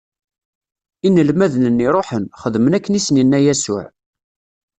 Inelmaden-nni ṛuḥen, xedmen akken i sen-inna Yasuɛ.